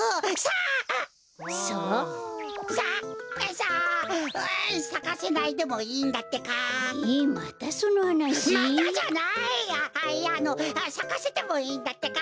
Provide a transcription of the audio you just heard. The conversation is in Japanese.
あっいやあのさかせてもいいんだってか。